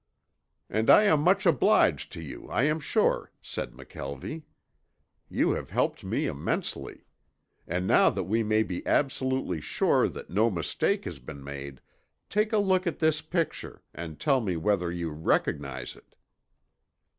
"And I am much obliged to you, I am sure," said McKelvie. "You have helped me immensely. And now that we may be absolutely sure that no mistake has been made, take a look at this picture and tell me whether you recognize it."